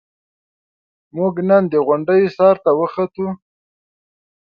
موږ نن د غونډۍ سر ته وخوتو.